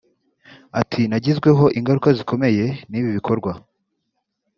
Ati “Nagizweho ingaruka zikomeye n’ibi bikorwa